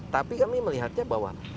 tapi kami melihatnya bahwa